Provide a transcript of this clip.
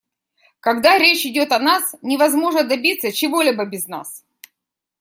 Когда речь идет о нас, невозможно добиться чего-либо без нас.